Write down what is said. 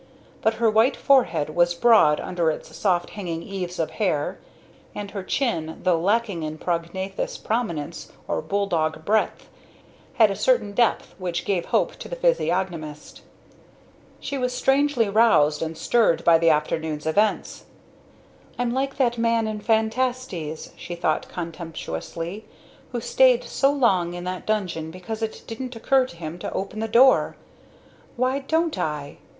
But her white forehead was broad under its soft hanging eaves of hair, and her chin, though lacking in prognathous prominence or bull dog breadth, had a certain depth which gave hope to the physiognomist. She was strangely roused and stirred by the afternoon's events. "I'm like that man in 'Phantastes'," she thought contemptuously, "who stayed so long in that dungeon because it didn't occur to him to open the door! Why don't I